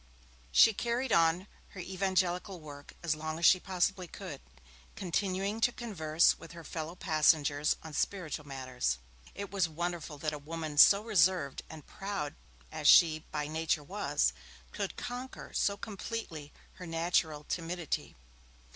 She carried on her evangelical work as long as she possibly could, continuing to converse with her fellow passengers on spiritual matters. It was wonderful that a woman, so reserved and proud as she by nature was, could conquer so completely her natural timidity.